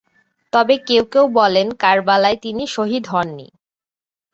তবে কেউ কেউ বলেন কারবালায় তিনি শহীদ হননি।